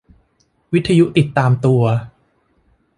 วิทยุติดตามตัว